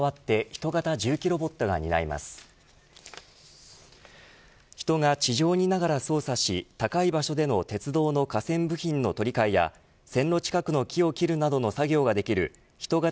人が地上にいながら操作し高い場所での鉄道の架線部品の取り替えや線路近くの木を切るなどの作業ができる人型